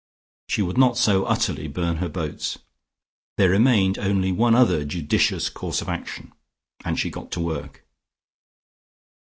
She would not so utterly burn her boats. There remained only one other judicious course of action, and she got to work.